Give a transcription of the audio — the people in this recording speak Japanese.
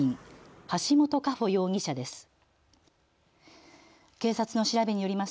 橋本佳歩容疑者です。